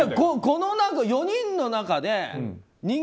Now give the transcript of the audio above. この４人の中で。